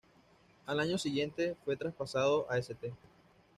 Al año siguiente fue traspasado a St.